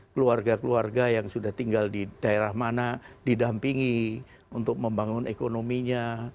keluarga keluarga yang sudah tinggal di daerah mana didampingi untuk membangun ekonominya